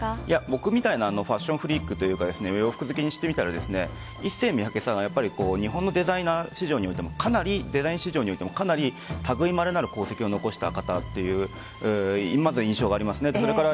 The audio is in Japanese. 僕みたいなファッションフリークというか洋服好きにしてみたらＩＳＳＥＹＭＩＹＡＫＥさんは日本のデザイナー市場においてもかなりデザイン市場においても類まれなる功績を残した方という印象があります。